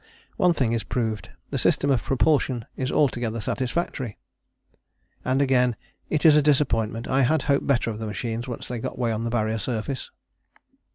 One thing is proved; the system of propulsion is altogether satisfactory." And again: "It is a disappointment. I had hoped better of the machines once they got away on the Barrier Surface."